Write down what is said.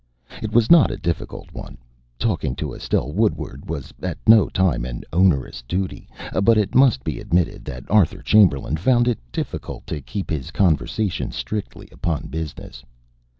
It was not a difficult one. Talking to Estelle Woodward was at no time an onerous duty, but it must be admitted that Arthur Chamberlain found it difficult to keep his conversation strictly upon his business.